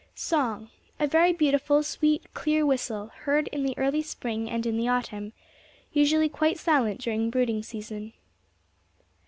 Song a very beautiful sweet, clear whistle heard in the early spring and in the autumn usually quite silent during brooding season.